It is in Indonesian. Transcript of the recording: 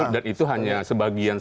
dan itu hanya sebagian saja